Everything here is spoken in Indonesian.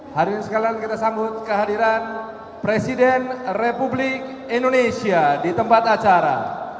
hari ini sekalian kita sambut kehadiran presiden republik indonesia di tempat acara